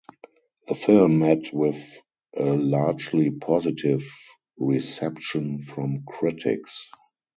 The film met with a largely positive reception from critics.